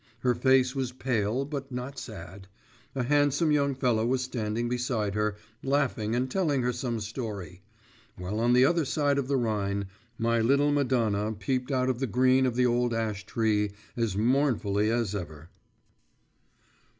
Her face was pale but not sad; a handsome young fellow was standing beside her, laughing and telling her some story; while on the other side of the Rhine my little Madonna peeped out of the green of the old ash tree as mournfully as ever.